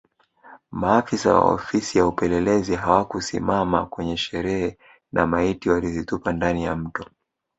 Maafisa wa Ofisi ya Upelelezi hawakusimama kwenye sherehe na maiti walizitupa ndani ya Mto